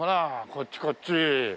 こっちこっち。